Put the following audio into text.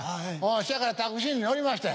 そやからタクシーに乗りました。